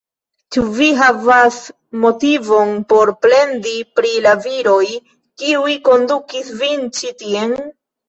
Ĉu vi havas motivon por plendi pri la viroj, kiuj kondukis vin ĉi tien?